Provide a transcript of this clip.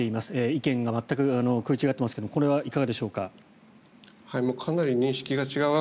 意見が全く食い違っていますがこれはいかがでしょうか？